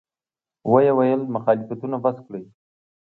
ویې ویل: مخالفتونه بس کړئ.